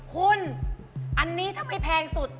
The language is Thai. คุณอันนี้ถ้าไม่แพงสุด